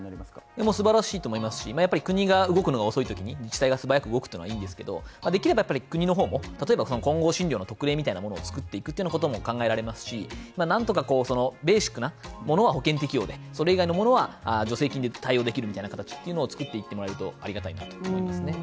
でも素晴らしいと思いますし、やっぱり国が動くのが遅いときに自治体が素早く動くってのはいいんですけどできればやっぱり国の方も、例えばその混合診療の特例みたいなものを作っていくということも考えられますし何とかそのベーシックなものは保険適用で、それ以外のものは助成金で対応できるみたいな形っていうのを作っていってもらえるとありがたいなと思いますね。